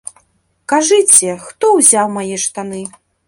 Кажыце, хто ўзяў мае штаны?